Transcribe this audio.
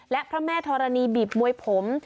และพระแม่ธรณีบีบมวยผม